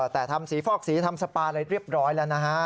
แต่ทำสีฟอกสีทำสปาอะไรเรียบร้อยแล้วนะฮะ